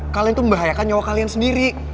kalian itu membahayakan nyawa kalian sendiri